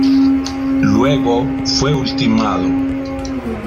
Luego fue ultimado.